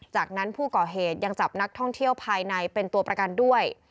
จากนั้นผู้ก่อเหตุยังจับนักท่องเที่ยวภายในเป็นตัวประกันด้วย